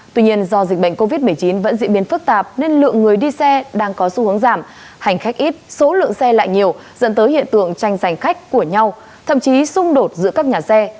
tuy nhiên do dịch bệnh covid một mươi chín vẫn diễn biến phức tạp nên lượng người đi xe đang có xu hướng giảm hành khách ít số lượng xe lại nhiều dẫn tới hiện tượng tranh giành khách của nhau thậm chí xung đột giữa các nhà xe